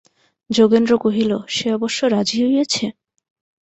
যোগেন্দ্র কহিল, সে অবশ্য রাজি হইয়াছে?